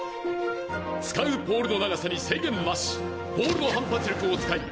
「使うポールの長さに制限なし」「ポールの反発力を使い高さを競う棒高跳び」